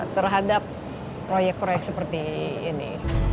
terhadap proyek proyek seperti ini